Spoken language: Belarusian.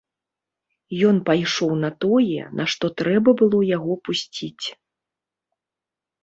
Ён пайшоў на тое, на што трэба было яго пусціць.